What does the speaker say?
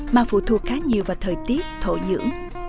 mà phụ thu khá nhiều vào thời gian